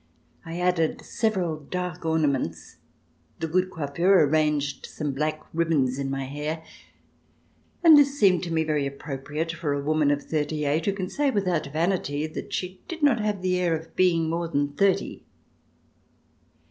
I added several dark ornaments, the good coiffeur arranged some black ribbons in my hair, and this seemed to me very appropriate for a woman of thirty eight, who can say, without vanity, that she did not have the air of being more than thirty.